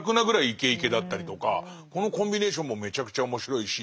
イケイケだったりとかこのコンビネーションもめちゃくちゃ面白いし。